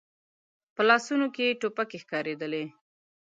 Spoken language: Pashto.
په لاسونو کې يې ټوپکې ښکارېدلې.